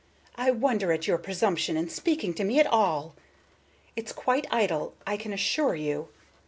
I wonder at your presumption in speaking to me at all. It's quite idle, I can assure you.